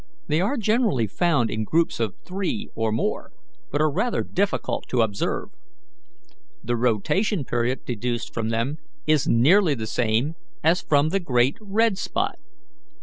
They are generally found in groups of three or more, but are rather difficult to observe. The rotation period deduced from them is nearly the same as from the great red spot.